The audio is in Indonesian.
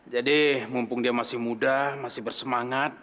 jadi mumpung dia masih muda masih bersemangat